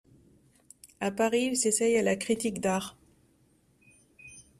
À Paris, il s’essaie à la critique d’art.